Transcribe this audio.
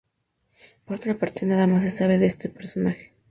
Por otra parte, nada más se sabe de este personaje.